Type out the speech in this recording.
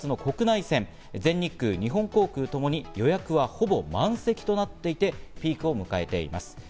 羽田初の国内線、全日空、日本航空ともに予約はほぼ満席となっていて、ピークを迎えています。